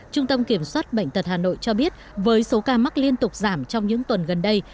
trung tâm kiểm soát bệnh tật hà nội cho biết với số ca mắc liên tục giảm trong những tuần gần đây